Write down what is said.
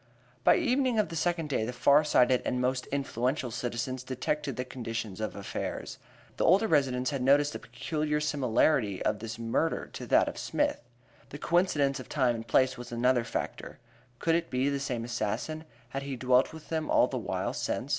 By evening of the second day the far sighted and most influential citizens detected the condition of affairs. The older residents had noticed the peculiar similarity of this murder to that of Smith. The coincidence of time and place was another factor. Could it be the same assassin? Had he dwelt with them all the while since?